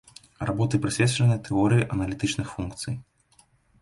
Работы прысвечаны тэорыі аналітычных функцый.